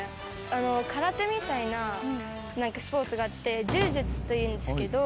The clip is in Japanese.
あの空手みたいななんかスポーツがあって柔術というんですけど。